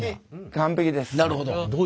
完璧です。